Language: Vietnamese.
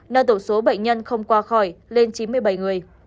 nâng tổng số bệnh nhân không qua khỏi lên chín mươi bảy người